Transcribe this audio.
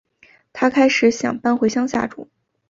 她开始想搬回乡下住